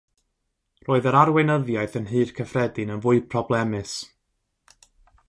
Roedd yr arweinyddiaeth yn Nhŷ'r Cyffredin yn fwy problemus.